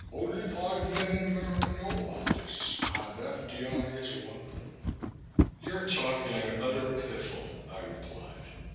Only five men in America know about this, and F.D.R. is one of them." "You're talking utter piffle," I replied.